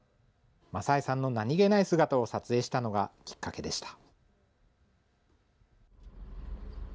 マサ江さんの何気ない姿を撮影したのがきっかけでした。